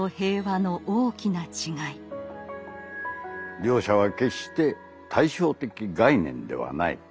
「両者は決して対称的概念ではない。